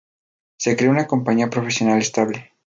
Se creó una compañía profesional estable.